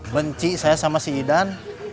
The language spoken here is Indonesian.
benci saya sama si idan